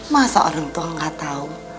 masa orang tua gak tahu